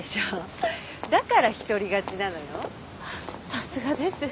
さすがです。